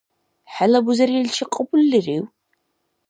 ХӀела бузериличи кьабуллирив?